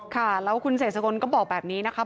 ค่ะแล้วคุณเสกสกลก็บอกแบบนี้นะคะ